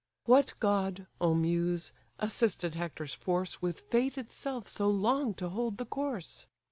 What god, O muse, assisted Hector's force With fate itself so long to hold the course?